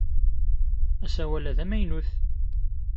Asawal-a d amaynut!